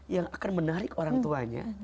yang akan menarik orang tuanya